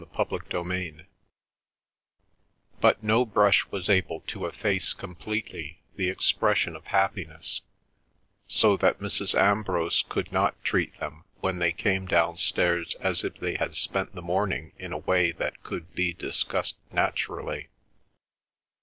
CHAPTER XXIII But no brush was able to efface completely the expression of happiness, so that Mrs. Ambrose could not treat them when they came downstairs as if they had spent the morning in a way that could be discussed naturally.